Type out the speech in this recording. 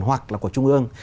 hoặc là của trung ương